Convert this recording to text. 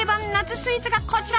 スイーツがこちら。